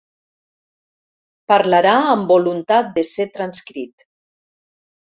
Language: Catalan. Parlarà amb voluntat de ser transcrit.